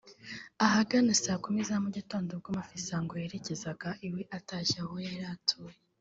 ahagana saa kumi za mugitondo ubwo Mafisango yerekezaga iwe atashye aho yari atuye